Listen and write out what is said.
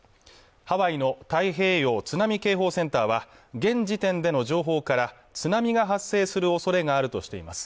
ハワイの太平洋津波警報センターは現時点での情報から津波が発生するおそれがあるとしています